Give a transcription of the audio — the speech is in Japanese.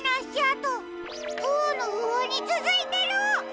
とうのほうにつづいてる！